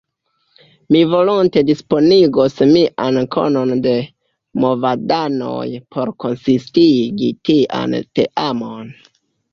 Mi volonte disponigos mian konon de movadanoj por konsistigi tian teamon.